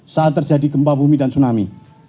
saat terjadi gempa bumi dan tsunami